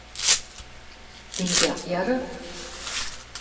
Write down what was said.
«Тенге ак яры...